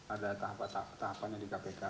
ada tahap tahapnya di kpk